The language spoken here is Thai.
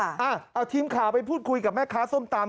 เอาทีมข่าวไปพูดคุยกับแม่ค้าส้มตำ